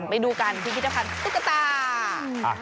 ไปดูกันพิพิธภัณฑ์ตุ๊กตา